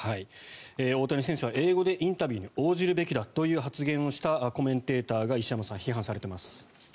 大谷選手は英語でインタビューに応じるべきだという発言をしたコメンテーターが石山さん、批判されています。